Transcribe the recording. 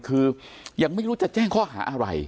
คือยังไม่รู้จะแจ้งข้อหาอะไร